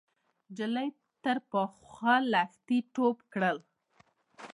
نجلۍ تر پاخه لښتي ټوپ کړ.